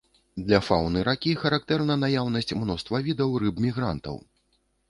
Для фаўны ракі характэрна наяўнасць мноства відаў рыб-мігрантаў.